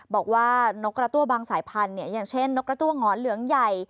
บอกว่านกกระตั้วบางสายพันธุ์อย่างเช่นนกกระตั้วหงอนเหลืองใหญ่